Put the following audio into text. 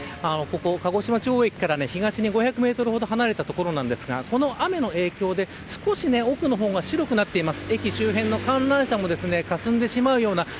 ここ鹿児島中央駅から東に５００メートルほど離れた所ですが雨の影響で少し奥の方が白くなっています。